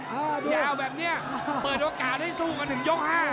อย่าแบบเนี้ยเปิดโอกาสให้สู้กันถึงยกห้า